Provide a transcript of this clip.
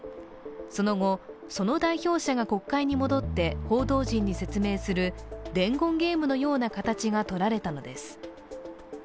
その後、その代表者が国会に戻って報道陣に説明する伝言ゲームのような形がとられたのです。